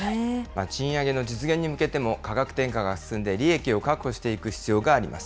賃上げの実現に向けても価格転嫁が進んで、利益を確保していく必要があります。